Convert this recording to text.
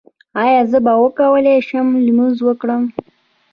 ایا زه به وکولی شم لمونځ وکړم؟